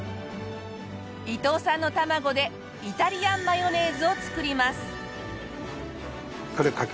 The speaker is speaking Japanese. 伊藤さんの卵でイタリアンマヨネーズを作ります。